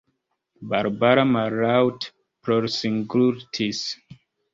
Barbara mallaŭte plorsingultis.